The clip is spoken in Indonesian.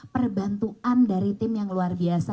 perbantuan dari tim yang luar biasa